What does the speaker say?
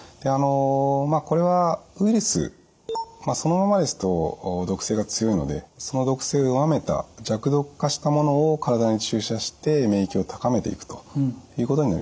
これはウイルスそのままですと毒性が強いのでその毒性を弱めた弱毒化したものを体に注射して免疫を高めていくということになります。